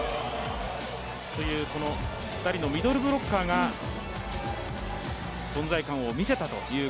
２人のミドルブロッカーが、存在感を見せたという。